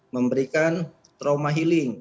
memberikan trauma healing